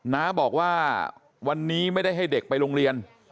น้าบอกว่าวันนี้ไม่ได้ให้เด็กไปโรงเรียน